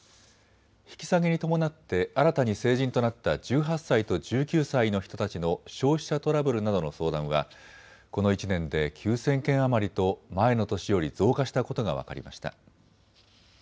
引き下げに伴って新たに成人となった１８歳と１９歳の人たちの消費者トラブルなどの相談はこの１年で９０００件余りと前の年より増加したことが分かりました。